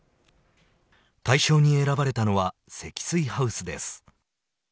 大賞に選ばれたのは積水ハウスです。